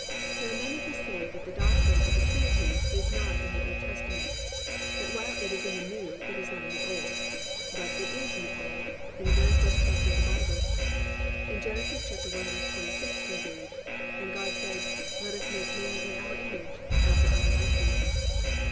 There are many who say that the doctrine of the Trinity is not in the Old Testament, that while it is in the New, it is not in the Old. But it is in the Old, in the very first chapter of the Bible. In Gen. 1:26 we read, +"And God said, let us make man in our image, after our likeness."